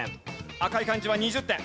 赤い漢字は２０点。